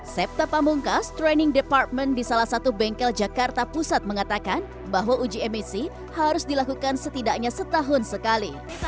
septa pamungkas training department di salah satu bengkel jakarta pusat mengatakan bahwa uji emisi harus dilakukan setidaknya setahun sekali